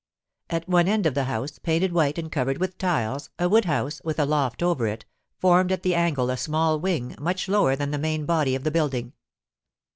At one end of the house, painted white and covered with tiles, a wood house, with a loft over it, formed at the angle a small wing, much lower than the main body of the building.